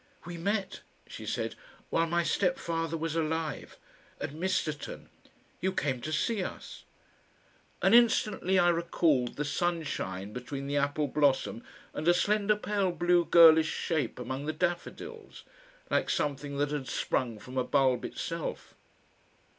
"We met," she said, "while my step father was alive at Misterton. You came to see us"; and instantly I recalled the sunshine between the apple blossom and a slender pale blue girlish shape among the daffodils, like something that had sprung from a bulb itself.